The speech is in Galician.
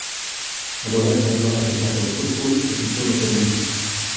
Agora cambiou a raqueta polo fútbol e fichou no Tenerife.